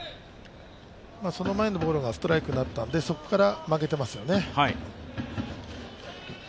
その前のボールがストライクになっているのでそこから曲げていますよね。